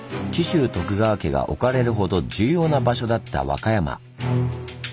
紀州徳川家が置かれるほど重要な場所だった和歌山。